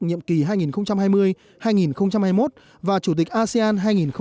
nhiệm kỳ hai nghìn hai mươi hai nghìn hai mươi một và chủ tịch asean hai nghìn hai mươi